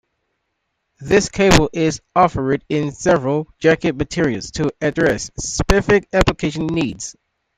This cable is offered in several jacket materials to address specific applications needs.